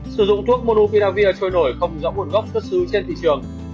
sử dụng thuốc monopilavir trôi nổi không rõ nguồn gốc thất sư trên thị trường